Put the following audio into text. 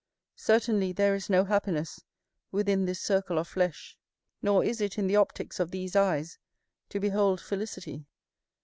Certainly there is no happiness within this circle of flesh; nor is it in the opticks of these eyes to behold felicity.